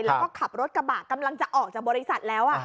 แล้วก็ขับรถกระบะกำลังจะออกจากบริษัทแล้ว